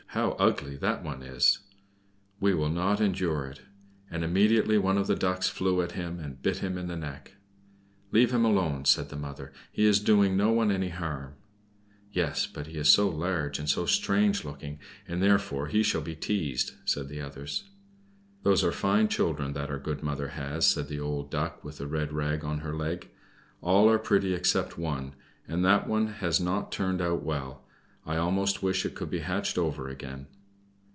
how ugly that one is. We will not endure it." And immediately one of the Ducks flew at him, and bit him in the neck. "Leave him alone," said the mother. "He is doing no one any harm." "Yes, but he is so large and so strange looking, and therefore he shall be teased," said the others. "Those are fine children that our good mother has," said the old Duck with the red rag on her leg. "All are pretty except one, and that has not turned out well; I almost wish it could be hatched over again."